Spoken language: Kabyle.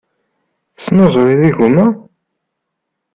Tesnuzuyeḍ igumma?